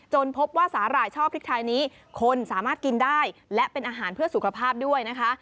พบว่าสาหร่ายช่อพริกไทยนี้คนสามารถกินได้และเป็นอาหารเพื่อสุขภาพด้วยนะคะ